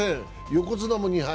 横綱も２敗。